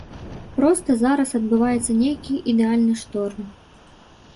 Проста зараз адбываецца нейкі ідэальны шторм.